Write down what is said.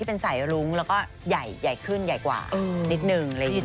เป็นสายรุ้งแล้วก็ใหญ่ขึ้นใหญ่กว่านิดนึงอะไรอย่างนี้